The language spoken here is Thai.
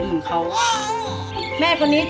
ให้ลูกได้ไปโรงเรียนค่ะเหมือนเด็กคนอื่นเขา